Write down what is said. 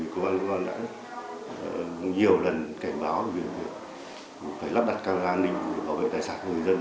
cơ quan công an đã nhiều lần cảnh báo về việc phải lắp đặt camera an ninh đối với tài sản người dân